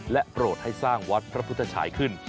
โปรดให้สร้างวัดพระพุทธชายขึ้น